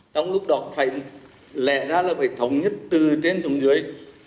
trong lúc đó phải lẽ ra là phải thống nhất từ trên xuống dưới